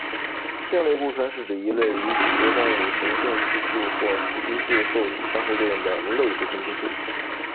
性类固醇是指一类与脊椎动物雄激素或雌激素受体相互作用的类固醇激素。